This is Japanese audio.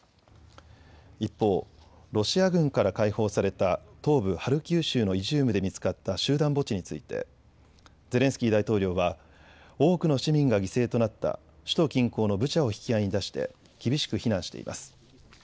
一方、ロシア軍から解放された東部ハルキウ州のイジュームで見つかった集団墓地について、ゼレンスキー大統領は多くの市民が犠牲となった首都近郊のブチャを引き合いに出して、厳しく非難しています。